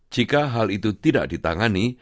jika hal itu tidak ditangani